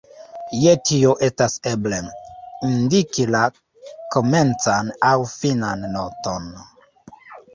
Je tio estas eble, indiki la komencan aŭ finan noton.